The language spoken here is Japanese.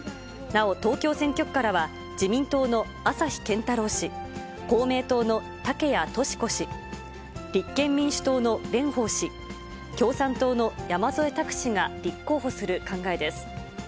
なお、東京選挙区からは自民党の朝日健太郎氏、公明党の竹谷とし子氏、立憲民主党の蓮舫氏、共産党の山添拓氏が立候補する考えです。